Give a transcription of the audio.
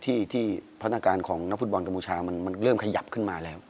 ที่พัฒนาการของนักฟุตบอลกัมพูชามันเริ่มขยับขึ้นมาแล้ว